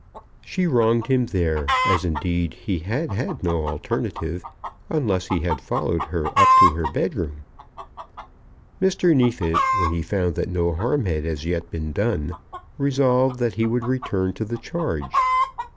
She wronged him there, as indeed he had had no alternative, unless he had followed her up to her bedroom. Mr. Neefit, when he found that no harm had as yet been done, resolved that he would return to the charge.